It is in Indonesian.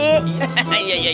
iya dong serikiti